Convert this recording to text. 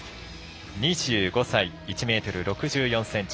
２５歳、１ｍ６４ｃｍ。